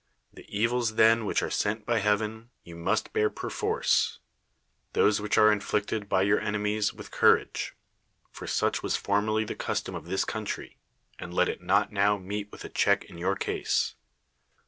The evils then which are sent by heaven, you must bear perforce ; those which are inflicted by your enemies, with courage: for such was formerly the custom of this country, and let it not now meet with a check in your case.